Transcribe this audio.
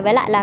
với lại là